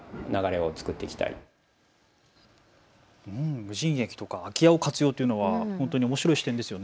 無人駅とか空き家を活用というのは本当におもしろい視点ですよね。